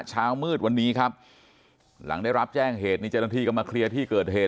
เช้ามืดวันนี้ครับหลังได้รับแจ้งเหตุนี้เจ้าหน้าที่ก็มาเคลียร์ที่เกิดเหตุ